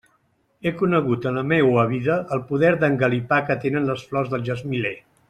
He conegut en la meua vida el poder d'engalipar que tenen les flors del gesmiler.